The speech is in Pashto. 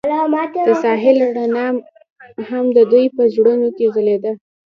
د ساحل رڼا هم د دوی په زړونو کې ځلېده.